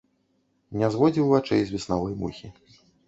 Не зводзіў вачэй з веснавой мухі.